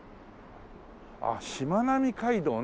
しまなみ海道ね。